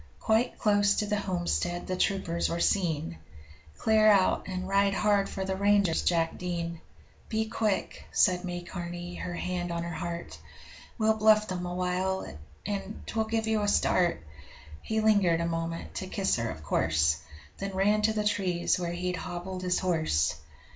Quite close to the homestead the troopers were seen. 'Clear out and ride hard for the ranges, Jack Dean! Be quick!' said May Carney her hand on her heart 'We'll bluff them awhile, and 'twill give you a start.' He lingered a moment to kiss her, of course Then ran to the trees where he'd hobbled his horse.